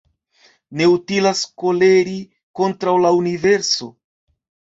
Ne utilas koleri kontraŭ la universo